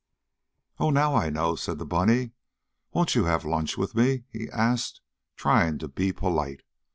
"Oh, now I know!" said the bunny. "Won't you have lunch with me?" he asked, trying to be polite.